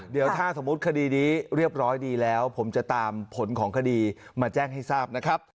เดี๋ยวถ้าสมมุติคดีนี้เรียบร้อยดีแล้วผมจะตามผลของคดีมาแจ้งให้ทราบนะครับ